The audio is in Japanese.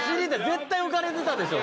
絶対浮かれてたでしょう